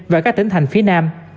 và các tỉnh thành phía nam